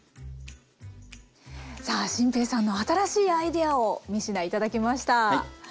さあ心平さんの新しいアイデアを３品頂きました。